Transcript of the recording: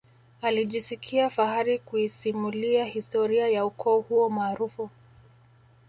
alijisikia fahari kuisimulia historia ya ukoo huo maarufu